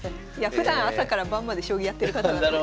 ふだん朝から晩まで将棋やってる方なんで。